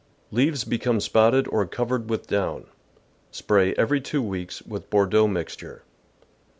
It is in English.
— Leaves become spotted or covered vi^ith down. Spray every two weeks with Bordeaux mixture.